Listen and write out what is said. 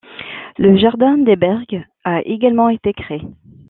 Le jardin Debergue a également été créé.